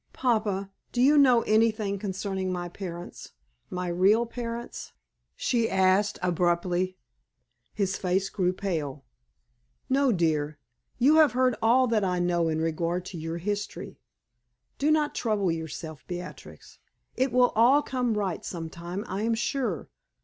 "Papa, do you know anything concerning my parents my real parents?" she asked, abruptly. His face grew pale. "No, dear; you have heard all that I know in regard to your history. Do not trouble yourself, Beatrix; it will all come right some time, I am sure.